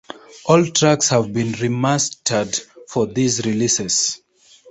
All tracks have been remastered for these releases.